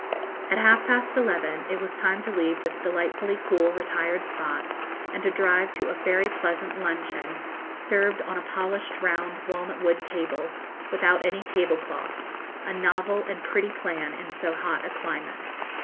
At half past eleven it was time to leave this delightfully cool retired spot, and to drive to a very pleasant luncheon, served on a polished round walnut wood table, without any tablecloth, a novel and pretty plan in so hot a climate.